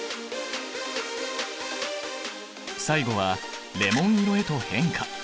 最後はレモン色へと変化！